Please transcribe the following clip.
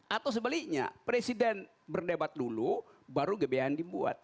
atau sebaliknya presiden berdebat dulu baru gbhn dibuat